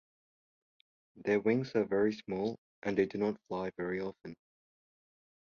Their wings are very small and they do not fly very often.